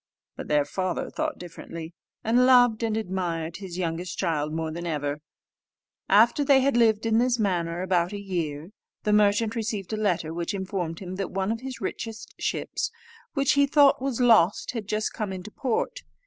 But their father thought differently: and loved and admired his youngest child more than ever. After they had lived in this manner about a year, the merchant received a letter, which informed him that one of his richest ships, which he thought was lost, had just come into port.